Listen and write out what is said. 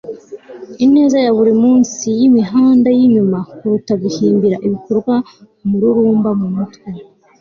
ineza ya buri munsi y'imihanda yinyuma kuruta guhimbira ibikorwa umururumba mumutwe